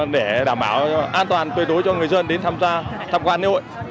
để đảm bảo an toàn tuyệt đối cho người dân đến tham gia tham quan lễ hội